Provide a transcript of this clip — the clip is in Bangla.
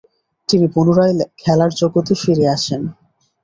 তিনি পুনরায় খেলার জগতে ফিরে আসেন।